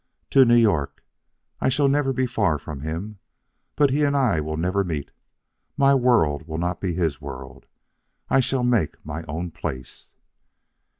"To New York. I shall never go far from him. But he and I will never meet. My world will not be his world. I shall make my own place."